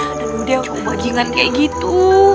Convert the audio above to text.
aduh dewi coba jangan kayak gitu